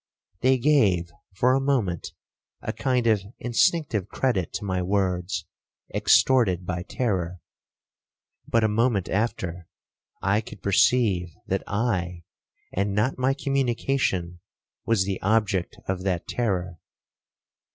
They gave, for a moment, a kind of instinctive credit to my words, extorted by terror; but, a moment after, I could perceive that I, and not my communication, was the object of that terror.